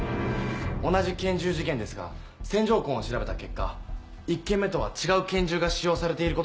同じ拳銃事件ですが線条痕を調べた結果１件目とは違う拳銃が使用されていることが分かりました。